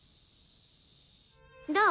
どう？